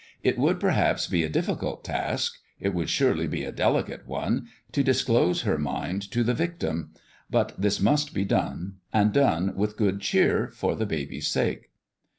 It would perhaps be a difficult task it would surely be a delicate one to disclose her mind to the victim ; but this must be done, and done with i8o A FATHER for The BABY good cheer, for the baby's sake.